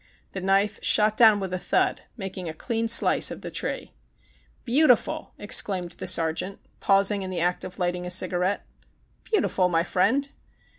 The knife shot down with a thud, making a clean slice of the tree. "Beautiful!" exclaimed the sergeant, paus i84 THE CHINAGO ing in the act of lighting a cigarette. "Beauti ful, my friend."